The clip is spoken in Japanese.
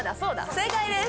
正解です。